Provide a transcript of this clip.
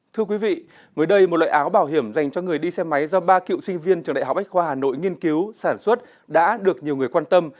thưa quý vị mới đây một loại áo bảo hiểm dành cho người đi xe máy do ba cựu sinh viên trường đại học bách khoa hà nội nghiên cứu sản xuất đã được nhiều người quan tâm